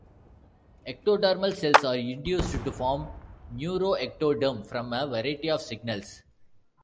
Ectodermal cells are induced to form neuroectoderm from a variety of signals.